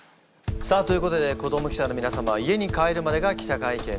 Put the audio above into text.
さあということで子ども記者の皆様は家に帰るまでが記者会見です。